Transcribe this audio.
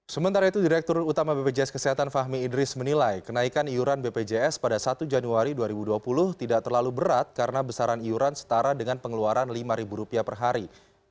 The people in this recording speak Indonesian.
sementara itu direktur utama bpjs kesehatan fahmi idris menilai kenaikan iuran bpjs pada satu januari dua ribu dua puluh tidak terlalu berat karena besaran iuran setara dengan pengeluaran rp lima per hari